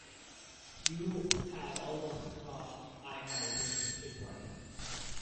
You had almost thought I had been his wife.